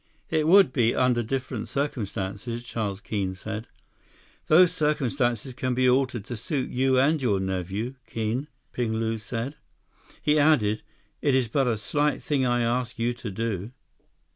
"It would be, under different circumstances," Charles Keene said. "Those circumstances can be altered to suit you and your nephew, Keene," Ping Lu said. He added, "It is but a slight thing I ask you to do."